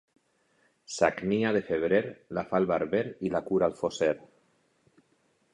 Sagnia de febrer, la fa el barber i la cura el fosser.